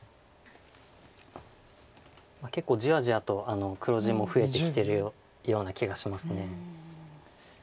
結構じわじわと黒地も増えてきてるような気がします。